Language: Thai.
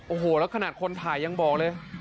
โอ้โหแล้วขนาดคนถ่ายยังบอกเลย